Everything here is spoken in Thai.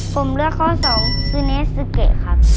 ผมเลือกข้อ๒ซึเนสุเกครับ